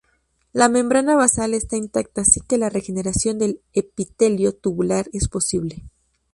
La membrana basal está intacta así que la regeneración del epitelio tubular es posible.